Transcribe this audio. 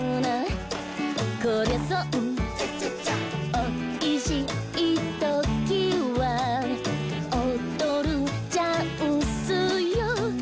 「おいしいときはおどるチャンスよ」